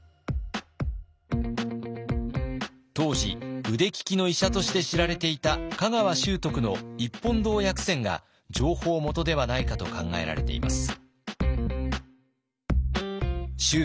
当時腕利きの医者として知られていた香川修徳の「一本堂薬選」が情報元ではないかと考えられています。